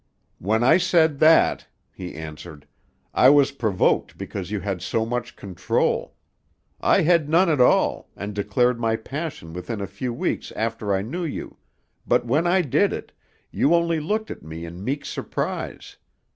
"When I said that," he answered, "I was provoked because you had so much control. I had none at all, and declared my passion within a few weeks after I knew you, but when I did it, you only looked at me in meek surprise.